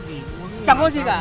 mày đưa ra đây